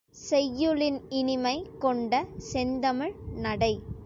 செய்யுளின் இனிமை கொண்ட செந்தமிழ் நடை.